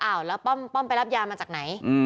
อ้าวแล้วป้อมไปรับยามาจากไหน